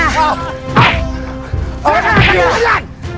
siapa kamu kesana